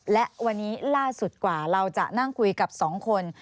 และวันนี้ล่าสุดกว่าเราจะนั่งคุยกับสองคน